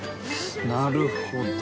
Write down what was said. なるほど。